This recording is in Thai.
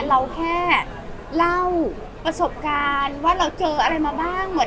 เราแค่เล่าประสบการณ์ว่าเราเจออะไรมาบ้าง